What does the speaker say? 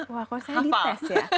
wah kok saya dites ya